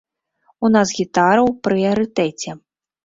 У нас гітара ў прыярытэце.